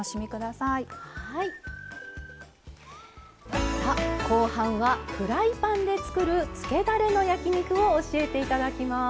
さあ後半はフライパンで作るつけだれの焼き肉を教えて頂きます。